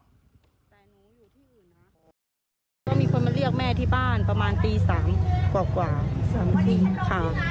ต้องมีคนมาเรียกแม่ที่บ้านประมาณปี๓กว่ากว่า